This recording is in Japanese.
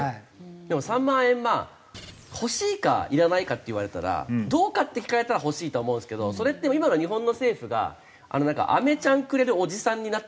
でも３万円まあ欲しいかいらないかって言われたらどうか？って聞かれたら欲しいとは思うんですけどそれって今の日本の政府が飴ちゃんくれるおじさんになってる状態だと思うんですよ。